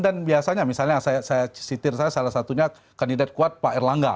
yang biasanya misalnya saya citir salah satunya kandidat kuat pak erlangga